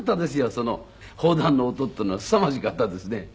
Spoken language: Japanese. その砲弾の音っていうのはすさまじかったですね。